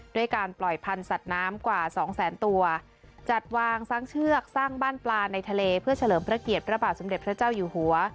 ด้วยการปล่อยพันธุ์สัตว์น้ำกว่าสองแสนตัวจัดวางสร้างเชือกสร้างบ้านปลาในทะเลเพื่อเฉลิมพระเกียรติพระบาทสมเด็จพระเจ้าอยู่หัว